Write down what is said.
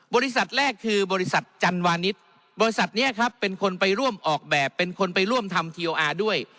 บริษัทแรกคือบริษัทจันวานิสบริษัทนี้ครับเป็นคนไปร่วมออกแบบเป็นคนไปร่วมทำทีโออาร์ด้วย